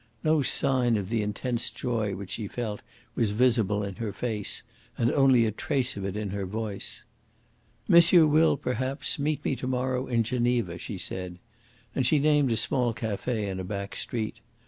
No sign of the intense joy which she felt was visible in her face, and only a trace of it in her voice. "Monsieur will, perhaps, meet me to morrow in Geneva," she said. And she named a small cafe in a back street.